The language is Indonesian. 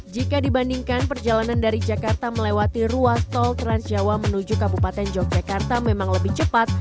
jika dibandingkan perjalanan dari jakarta melewati ruas tol transjawa menuju kabupaten yogyakarta memang lebih cepat